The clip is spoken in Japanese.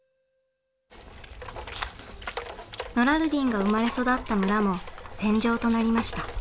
ノラルディンが生まれ育った村も戦場となりました。